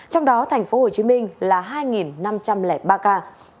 trong đó tp hcm là hai năm trăm linh ba ca